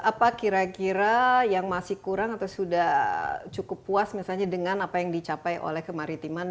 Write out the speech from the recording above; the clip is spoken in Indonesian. apa kira kira yang masih kurang atau sudah cukup puas misalnya dengan apa yang dicapai oleh kemaritiman